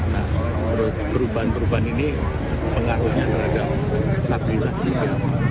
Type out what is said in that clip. nah terus perubahan perubahan ini pengaruhnya terhadap stabilitas juga